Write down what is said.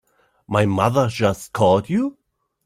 My mother just called you?